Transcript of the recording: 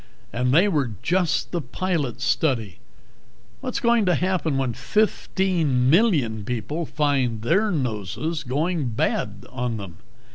And they were just the pilot study! What's going to happen when fifteen million people find their noses going bad on them?"